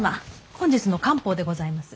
本日の官報でございます。